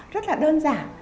rất là đơn giản